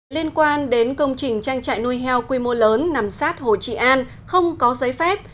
liên quan đến công trình trang trại nuôi heo quy mô lớn nằm sát hồ trị an không có giấy phép